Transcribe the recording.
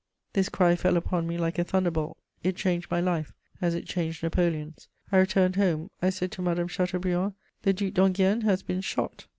] This cry fell upon me like a thunderbolt; it changed my life, as it changed Napoleon's. I returned home; I said to Madame Chateaubriand: "The Duc d'Enghien has been shot."